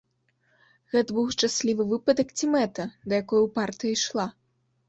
Гэта быў шчаслівы выпадак ці мэта, да якой упарта ішла?